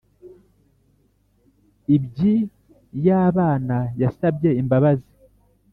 iby’ i yabana yasabye imbabazi